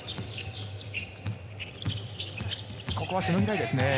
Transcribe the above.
ここは、しのぎたいですね。